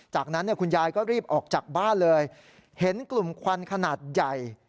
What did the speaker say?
จากนั้นคุณยายก็รีบออกจากบ้านเลยเห็นกลุ่มควันขนาดใหญ่